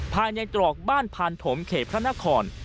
ภายในตรอกบ้านพานถมเขตพระนคร